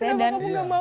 kenapa kamu nggak mau